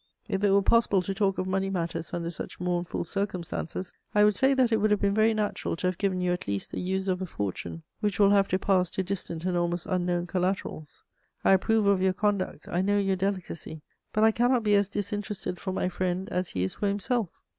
If it were possible to talk of money matters under such mournful circumstances, I would say that it would have been very natural to have given you at least the use of a fortune which will have to pass to distant and almost unknown collaterals. I approve of your conduct; I know your delicacy; but I cannot be as disinterested for my friend as he is for himself.